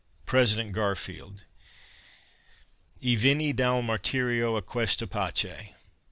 PRESIDENT GARFIELD "E venni dal martirio a questa pace."